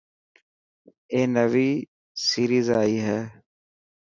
اي نوي سيريز اي هي.